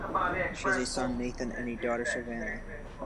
She has a son, Nathan, and a daughter, Savannah.